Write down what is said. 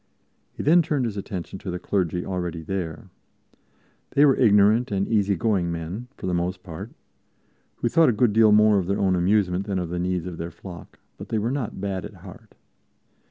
He then turned his attention to the clergy already there. They were ignorant and easygoing men, for the most part, who thought a good deal more of their own amusement than of the needs of their flock, but they were not bad at heart.